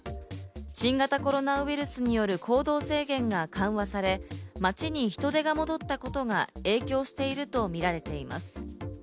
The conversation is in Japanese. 新型コロナウイルスによる行動制限が緩和され、街に人出が戻ったことが影響しているとみられています。